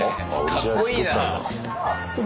かっこいいな！